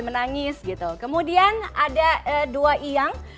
menangis gitu kemudian ada dua yang